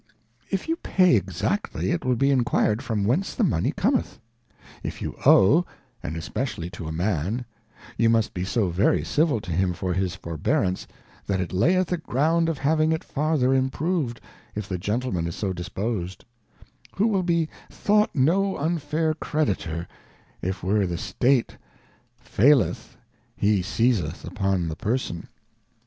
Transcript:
If you pay exactly, it wiU be enquired from whence the Money cometh ? If you owe, and especially to a Man, you must be so very Civil to him for his forbearance, that it layeth a ground of having it farther improved,„Jl, the Gentleman is so disposed ; who will be thought no unfair Creditor, if where the Estate faileth he seizeth upon the Person.